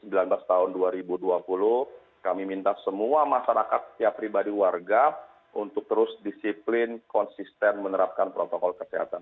pada tahun sembilan belas tahun dua ribu dua puluh kami minta semua masyarakat pribadi warga untuk terus disiplin konsisten menerapkan protokol kesehatan